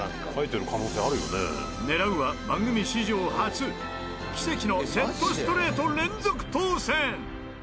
狙うは番組史上初奇跡のセットストレート連続当せん！